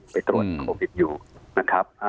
ไปตรวจโควิดอยู่นะครับ